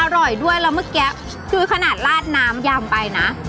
อร่อยด้วยแล้วเมื่อกี้คือขนาดลาดน้ำยำไปนะ